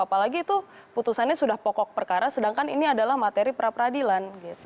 apalagi itu putusannya sudah pokok perkara sedangkan ini adalah materi pra peradilan